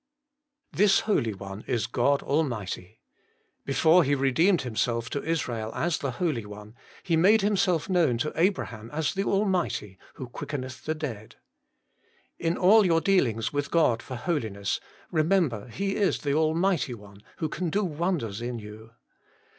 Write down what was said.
7. This Holy One is God Almighty. Before He revealed Himself to Israel as the Holy One, He made Himself known to Abraham as the Almighty, 'who quickeneth the dead. ' In all your dealings with God for holiness, remember He is the Almighty One, who can do wonders in you.